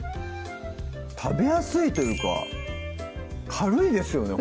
食べやすいというか軽いですよね